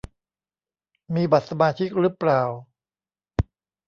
มีบัตรสมาชิกรึเปล่า